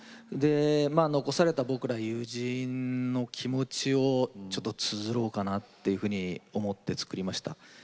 残された僕ら友人の気持ちをちょっとつづろうかなというふうに思って作りました。